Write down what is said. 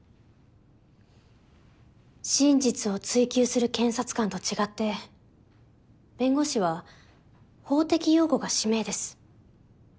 真実を追求する検察官と違って弁護士は法的擁護が使命です。